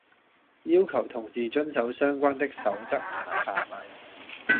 要求同事遵守相關的守則同埋法例